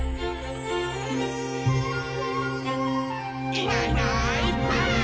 「いないいないばあっ！」